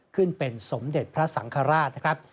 ขึ้นเป็นสมเด็จพระสังฆราชนะครับ